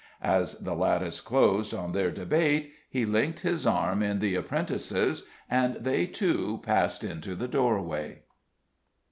As the lattice closed on their debate he linked his arm in the apprentice's, and they too passed into the doorway.